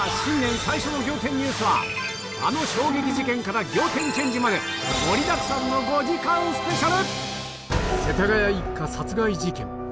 最初の『仰天ニュース』はあの衝撃事件から仰天チェンジまで盛りだくさんの５時間スペシャル！